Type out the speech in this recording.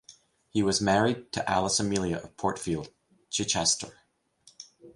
He was married, to Alice Amelia of Portfield, Chichester.